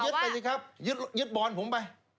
ก็ยึดไปสิครับยึดบอนผมไป